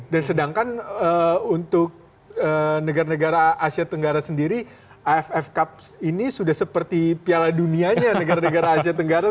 dan sedangkan untuk negara negara asia tenggara sendiri aff cup ini sudah seperti piala dunianya negara negara asia tenggara